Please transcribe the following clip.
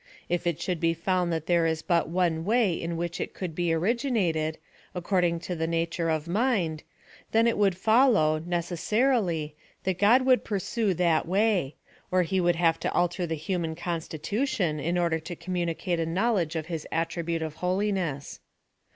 If it should be found that there is but one way in which • Ex. 32 : 4, 5. 6 92 PHILOSOPHY OP THE it could be originated, according to the nature of mindj then it would follow, necessarily, that God would pursue that way, or he would have to alter the human constitution, in order to communicate a knowledge of his attribute of holiness.